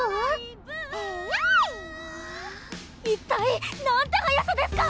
はーっ一体なんて速さですか